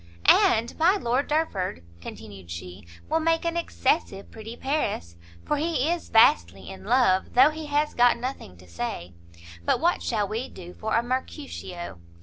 "And my Lord Derford," continued she, "will make an excessive pretty Paris, for he is vastly in love, though he has got nothing to say; but what shall we do for a Mercutio?